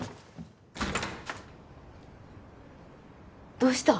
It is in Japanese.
どうした？